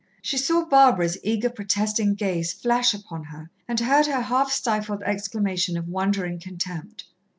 She saw Barbara's eager, protesting gaze flash upon her, and heard her half stifled exclamation of wondering contempt.